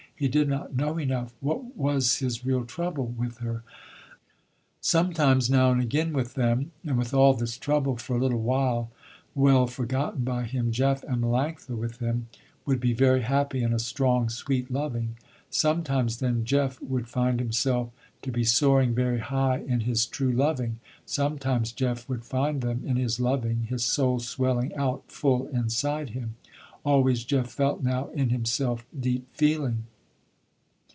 He did not know enough, what was his real trouble, with her. Sometimes now and again with them, and with all this trouble for a little while well forgotten by him, Jeff, and Melanctha with him, would be very happy in a strong, sweet loving. Sometimes then, Jeff would find himself to be soaring very high in his true loving. Sometimes Jeff would find them, in his loving, his soul swelling out full inside him. Always Jeff felt now in himself, deep feeling.